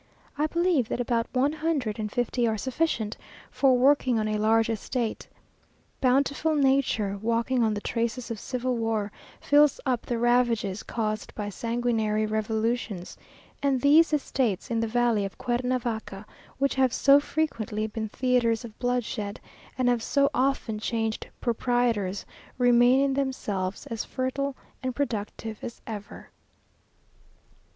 I believe that about one hundred and fifty are sufficient for working on a large estate. Bountiful nature, walking on the traces of civil war, fills up the ravages caused by sanguinary revolutions, and these estates in the valley of Cuernavaca, which have so frequently been theatres of bloodshed, and have so often changed proprietors, remain in themselves as fertile and productive as ever.